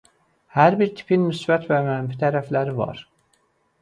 Hər bir tipin müsbət və mənfi tərəfləri var.